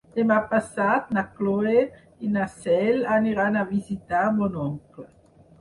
Demà passat na Cloè i na Cel aniran a visitar mon oncle.